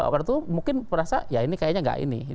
waktu itu mungkin merasa ya ini kayaknya nggak ini